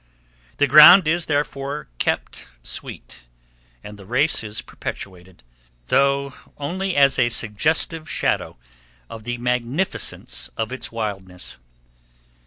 The ground is, therefore, kept sweet, and the race is perpetuated, though only as a suggestive shadow of the magnificence of its wildness.